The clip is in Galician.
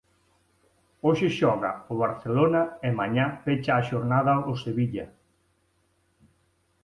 Hoxe xoga o Barcelona e mañá pecha a xornada o Sevilla.